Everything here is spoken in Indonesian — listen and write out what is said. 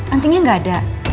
antingnya gak ada